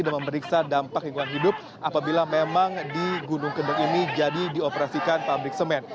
dan memeriksa dampak keuangan hidup apabila memang di gunung kendang ini jadi dioperasikan pabrik semen